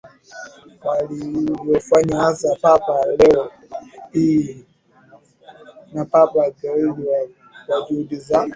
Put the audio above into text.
walivyofanya hasa Papa Leo I na Papa Gregori I Kwa juhudi za